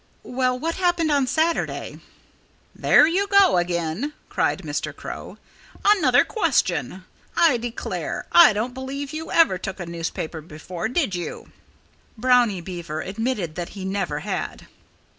"Well what happened on Saturday?" "There you go again!" cried Mr. Crow. "Another question! I declare, I don't believe you ever took a newspaper before did you?" Brownie Beaver admitted that he never had.